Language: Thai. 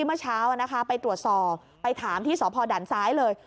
เมื่อเช้าไปตรวจสอบไปถามที่สภดซเลย